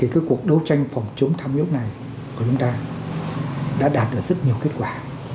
các cuộc đấu tranh phòng chống tham nhũng này của chúng ta đã đạt được rất nhiều kết quả